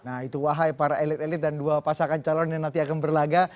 nah itu wahai para elit elit dan dua pasangan calon yang nanti akan berlaga